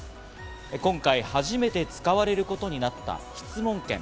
今回初めて使われることになった質問権。